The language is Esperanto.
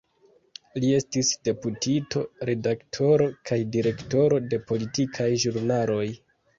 Li estis deputito, redaktoro kaj direktoro de politikaj ĵurnaloj.